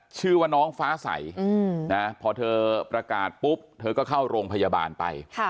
ชื่อว่าน้องฟ้าใสพอเธอประกาศปุ๊บเธอก็เข้าโรงพยาบาลไป